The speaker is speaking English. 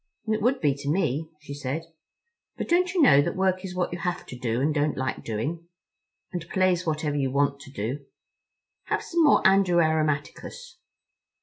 "It would be, to me," she said, "but don't you know that work is what you have to do and don't like doing? And play's whatever you want to do. Have some more Andrew Aromaticus."